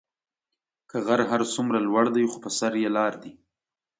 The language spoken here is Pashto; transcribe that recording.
كه غر هر سومره لور دي خو به سر ئ لار دي.